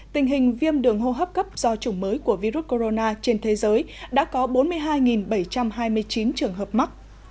tình hình viêm đường hô hấp cấp do chủng mới của virus corona trên thế giới đã có bốn mươi hai bảy trăm hai mươi chín trường hợp mắc